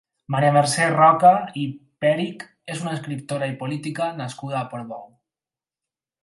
Maria Mercè Roca i Perich és una escriptora i política nascuda a Portbou.